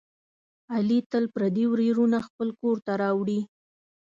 علي تل پردي ویرونه خپل کورته راوړي.